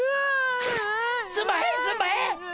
すんまへんすんまへん！